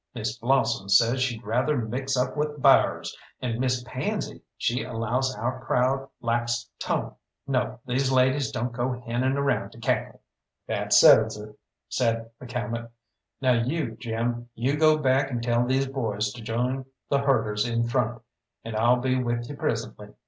Miss Blossom says she'd rather mix up with bears, and Miss Pansy she allows our crowd lacks tone. No, these ladies don't go henning around to cackle." "That settles it," said McCalmont. "Now you, Jim, you go back and tell these boys to join the herders in front, and I'll be with you presently.